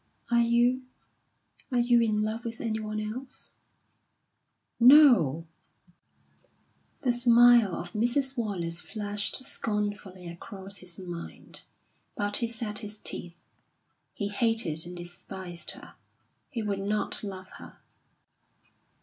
"Are you are you in love with anyone else?" "No!" The smile of Mrs. Wallace flashed scornfully across his mind, but he set his teeth. He hated and despised her; he would not love her.